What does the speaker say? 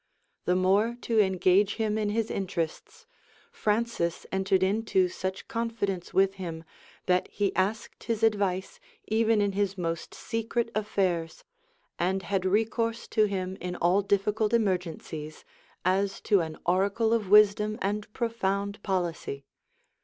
The more to engage him in his interests, Francis entered into such confidence with him, that he asked his advice even in his most secret affairs; and had recourse to him in all difficult emergencies, as to an oracle of wisdom and profound policy.